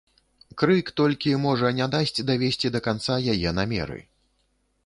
Крык толькі можа не даць давесці да канца яе намеры.